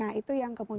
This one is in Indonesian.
nah itu yang kemudian